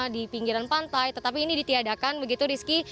di pinggiran pantai tetapi ini ditiadakan begitu rizky